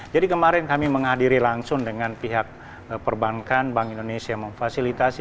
jadi kemarin kami menghadir langsung dengan pihak bank indonesia memfasilitasi